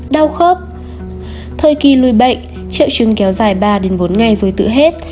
đau khớp thời kỳ lùi bệnh trợ chứng kéo dài ba đến bốn ngày rồi tự hết